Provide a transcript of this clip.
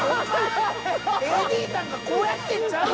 ＡＤさんがこうやってんちゃうの？